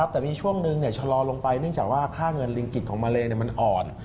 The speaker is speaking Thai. แต่มีช่วงหนึ่งชะลอลงไปเนื่องจากว่าค่าเงินลิงกิจของมะเร็งมันอ่อน